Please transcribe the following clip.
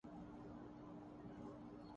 میں نے ٹام کا کافی دیر انتظار کیا۔